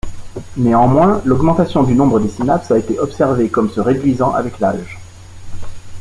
Néanmoins, l'augmentation du nombre de synapses a été observé comme se réduisant avec l'âge.